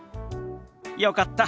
よかった。